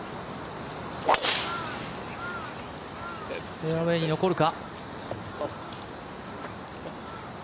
フェアウェーに残るか。